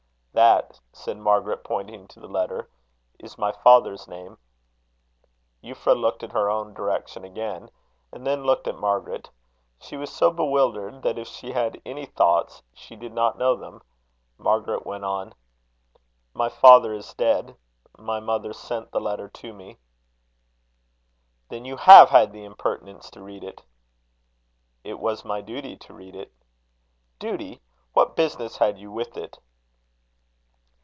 "That," said Margaret, pointing to the letter, "is my father's name." Euphra looked at her own direction again, and then looked at Margaret. She was so bewildered, that if she had any thoughts, she did not know them. Margaret went on: "My father is dead. My mother sent the letter to me." "Then you have had the impertinence to read it!" "It was my duty to read it." "Duty! What business had you with it?"